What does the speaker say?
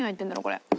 これ。